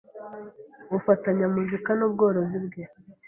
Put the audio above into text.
ufatanya muzika n’ubworozi bwe